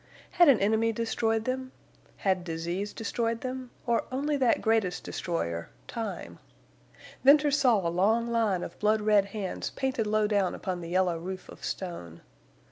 Had an enemy destroyed them? Had disease destroyed them, or only that greatest destroyer—time? Venters saw a long line of blood red hands painted low down upon the yellow roof of stone.